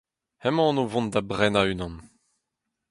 Emaon o vont da brenañ unan.